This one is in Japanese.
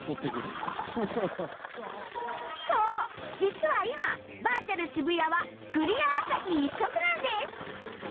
そう実は今バーチャル渋谷はクリアアサヒ一色なんです！